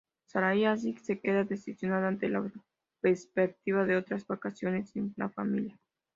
Sarah así se queda decepcionada ante la perspectiva de otras vacaciones sin la familia.